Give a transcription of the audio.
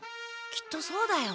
きっとそうだよ。